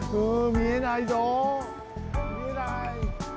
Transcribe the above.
みえない！